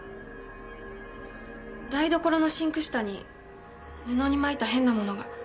台所のシンク下に布に巻いた変な物が。